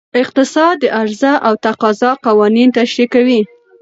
اقتصاد د عرضه او تقاضا قوانین تشریح کوي.